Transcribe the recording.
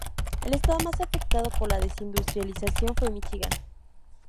El estado más afectado por la desindustrialización fue Míchigan.